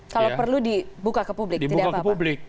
kalau perlu dibuka ke publik